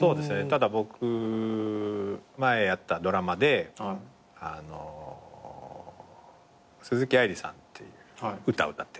ただ僕前やったドラマで鈴木愛理さんっていう歌歌ってるね。